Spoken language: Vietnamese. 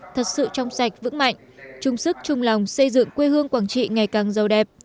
thật sự trong sạch vững mạnh trung sức trung lòng xây dựng quê hương quảng trị ngày càng giàu đẹp